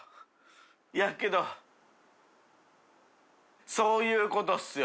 いけどそういうことですよ。